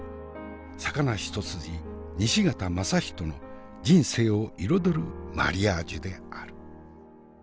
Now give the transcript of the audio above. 魚一筋西潟正人の人生を彩るマリアージュである。